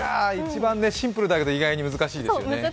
シンプルだけど意外と難しいですよね。